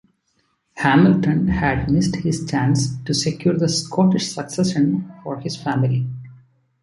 Hamilton had missed his chance to secure the Scottish succession for his family.